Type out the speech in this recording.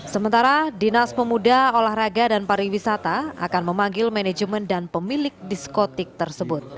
sementara dinas pemuda olahraga dan pariwisata akan memanggil manajemen dan pemilik diskotik tersebut